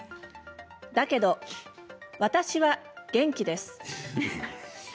だけど私は元気です。